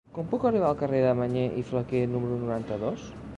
Com puc arribar al carrer de Mañé i Flaquer número noranta-dos?